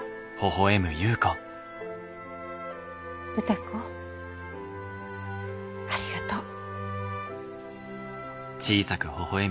歌子ありがとう。